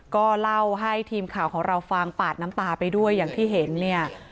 ก็เล่าให้ทีมข่าวของเราฟังปาดน้ำตาไปด้วยอย่างที่เห็นเนี่ย